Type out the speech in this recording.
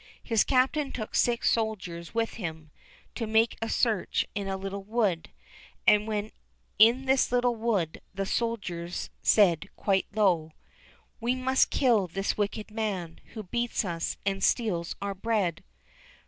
His Captain took six soldiers with him, to make a search in a little wood; and when in this little wood, the soldiers said quite low, "We must kill this wicked man, who beats us and steals our bread."